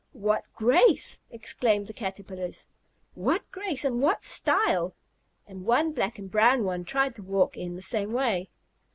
"What grace!" exclaimed the Caterpillars. "What grace, and what style!" and one black and brown one tried to walk in the same way.